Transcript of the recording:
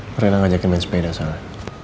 pernah ngajakin main sepeda salah